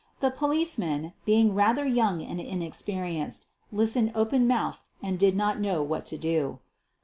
The policeman, being rather young and inexperienced, listened open mouthed and did not know what to do.